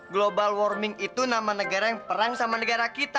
global warming itu nama negara yang perang sama negara kita